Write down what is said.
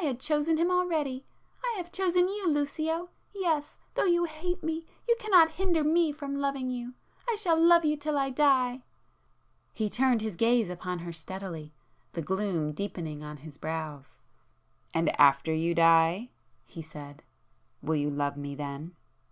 —I had chosen him already,—I have chosen you, Lucio!—yes, though you hate me you cannot hinder me from loving you,—I shall love you till I die!" He turned his gaze upon her steadily,—the gloom deepening on his brows. "And after you die?" he said—"Will you love me then?"